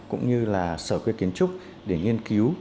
cũng như là sở quy kiến trúc để nghiên cứu